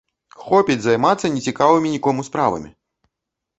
Хопіць займацца нецікавымі нікому справамі!